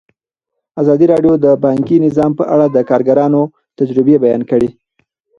ازادي راډیو د بانکي نظام په اړه د کارګرانو تجربې بیان کړي.